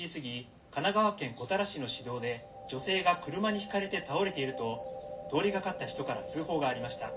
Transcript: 神奈川県古多良市の市道で女性が車にひかれて倒れていると通り掛かった人から通報がありました。